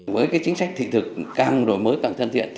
với chính sách thị thực càng đổi mới càng thân thiện